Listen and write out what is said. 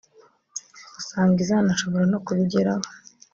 usanga izanashobora no kubigeraho